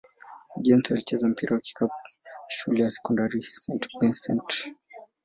James alicheza mpira wa kikapu shule ya sekondari St. Vincent-St.